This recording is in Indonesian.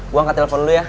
gue angkat telepon dulu ya